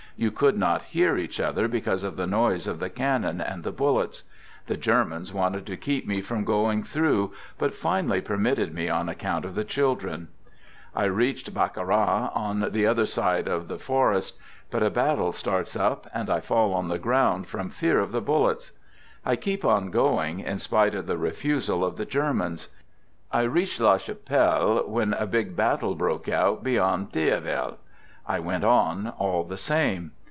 You could not hear each other because of the noise of the cannon and the bullets. The Germans wanted to keep me from going through, but finally permitted me on account of the children. I reached Baccarat on the other side of the for est. But a battle starts up, and I fall on the ground from fear of the bullets. I kept on going, in spite of the refusal of the Germans. I reached la Cha pelle when a big battle broke out, beyond Thiaville. I went on all the same.